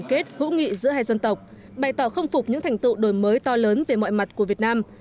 kết hữu nghị giữa hai dân tộc bày tỏ khâm phục những thành tựu đổi mới to lớn về mọi mặt của việt nam